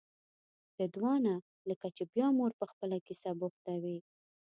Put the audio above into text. رضوانه لکه چې بیا مو په خپله کیسه بوختوې.